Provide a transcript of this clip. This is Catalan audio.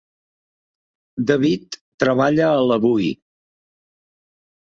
David treballa a l'Avui.